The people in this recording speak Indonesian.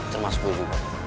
termasuk gue juga